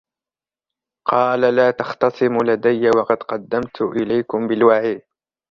قَالَ لَا تَخْتَصِمُوا لَدَيَّ وَقَدْ قَدَّمْتُ إِلَيْكُمْ بِالْوَعِيدِ